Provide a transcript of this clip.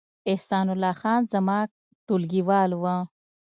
احسان الله خان زما ټولګیوال و